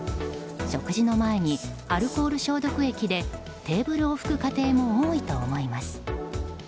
食事の前にアルコール消毒液でテーブルを拭く家庭も多いと思います。